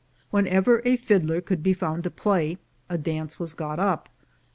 Wherever a fiddler could be found to play, a dance was got up.